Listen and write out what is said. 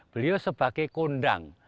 beliau sebagai kondang